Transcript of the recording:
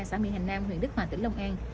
xã mỹ hành nam huyện đức hòa tỉnh long an